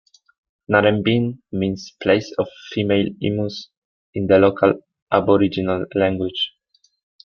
Narembeen means "place of female emus" in the local Aboriginal language.